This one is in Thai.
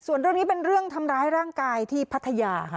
ส่วนเรื่องนี้เป็นเรื่องทำร้ายร่างกายที่พัทยาค่ะ